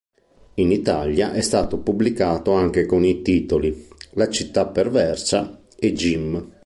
In Italia è stato pubblicato anche con i titoli "La città perversa" e "Jim".